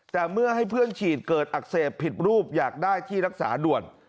แต่เมื่อให้เพื่อนฉีดเกิดอักเสบผิดรูปอยากได้ที่รักษาด่วน